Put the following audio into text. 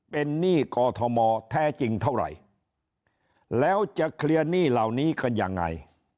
เป็นหนี้กอทมแท้จริงเท่าไหร่แล้วจะเคลียร์หนี้เหล่านี้กันยังไง